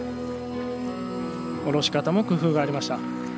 降ろし方も工夫がありました。